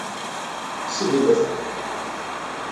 Seglef.